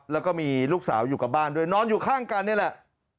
แล้วก็มีลูกสาวอยู่กับบ้านด้วยนอนอยู่ข้างกันนี่แหละ